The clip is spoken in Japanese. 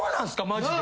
マジで。